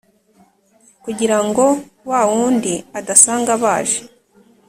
Kugira ngo wa wundi adasanga baje